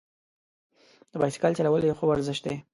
د بایسکل چلول یو ښه ورزش دی.